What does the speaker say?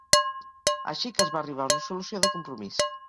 Així que es va arribar a una solució de compromís.